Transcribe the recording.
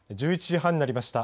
１１時半になりました。